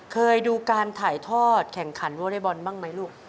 เคยดูการถ่ายทอดแข่งขันวอเล็กบอลบ้างไหมลูก